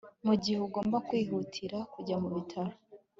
mugihe ugomba kwihutira kujya mubitaro